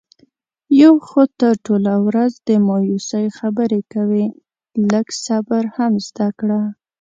یو خو ته ټوله ورځ د مایوسی خبرې کوې. لږ صبر هم زده کړه.